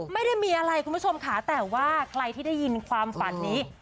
ไม่ได้มีอะไรคุณผู้ชมค่ะแต่ว่าใครที่ได้ยินความฝันนี้